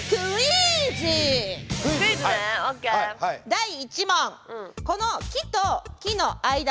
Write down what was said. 第１問！